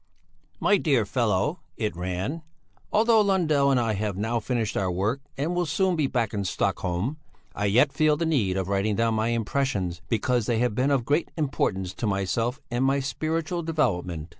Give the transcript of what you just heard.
MY DEAR FELLOW, [it ran,] Although Lundell and I have now finished our work and will soon be back in Stockholm, I yet feel the need of writing down my impressions, because they have been of great importance to myself and my spiritual development.